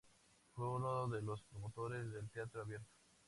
Fue uno de los promotores del Teatro Abierto.